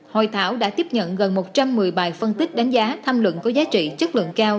hội thảo đã tiếp nhận gần một trăm một mươi bài phân tích đánh giá tham luận có giá trị chất lượng cao